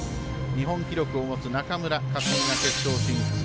日本記録を持つ中村克が決勝進出。